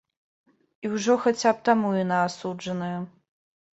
І ўжо хаця б таму яна асуджаная.